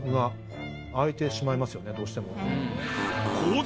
どうしても。